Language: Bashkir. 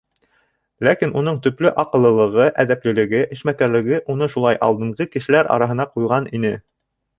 Ләкин уның төплө аҡыллылығы, әҙәплелеге, эшмәкәрлеге уны шулай алдынғы кешеләр араһына ҡуйған ине.